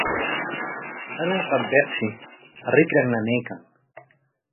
Arunqanpikshi rikran nanaykan.